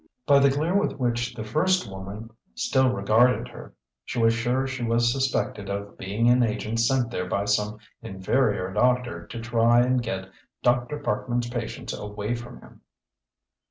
By the glare with which the first woman still regarded her she was sure she was suspected of being an agent sent there by some inferior doctor to try and get Dr. Parkman's patients away from him.